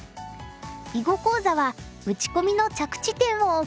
囲碁講座は「打ち込みの着地点」をお送りします。